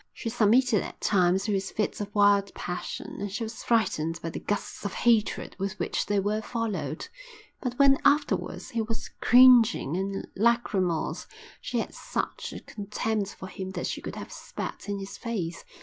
She submitted at times to his fits of wild passion, and she was frightened by the gusts of hatred with which they were followed; but when, afterwards, he was cringing and lachrymose she had such a contempt for him that she could have spat in his face.